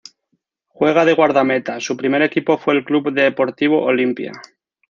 Juega de guardameta, su primer equipo fue el Club Deportivo Olimpia.